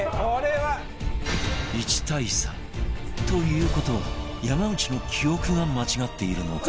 １対３という事は山内の記憶が間違っているのか？